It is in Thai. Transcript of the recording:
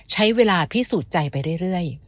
ใช้เวลาพิสูจน์ใจไปเรื่อย